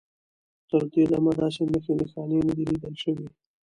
تر دې دمه داسې نښې نښانې نه دي لیدل شوي.